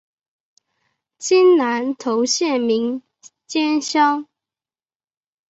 今南投县名间乡。